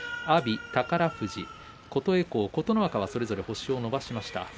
阿炎、宝富士、琴恵光、琴ノ若はそれぞれ星を伸ばしました。